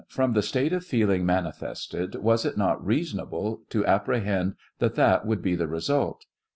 From the state of feeling manifested, was it not reasonable to apprehend that that would be the result?